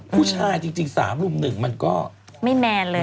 ผู้ชายสามรุมหนึ่งจริงมันก็ไม่แมนเลย